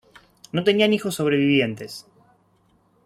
No tenían hijos sobrevivientes.